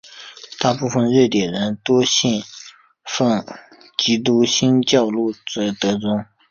大部分瑞典人多信奉基督新教路德宗。